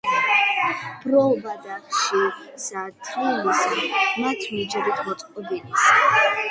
ბროლ-ბადახშისა თლილისა, მის მიჯრით მიწყობილისა.